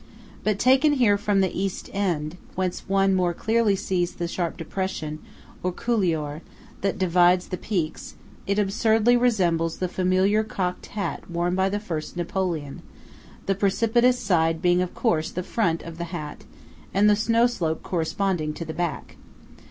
But taken here from the East end, 26 whence one more clearly sees the sharp depression, or couloir, that divides the peaks, it absurdly resembles the familiar cocked hat worn by the first Napoleon; the precipitous side being of course the front of the hat, and the snow slope corresponding to the back.